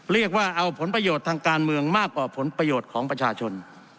เรียกว่าเอาผลประโยชน์ทางการเมืองมากกว่าผลประโยชน์ของประชาชน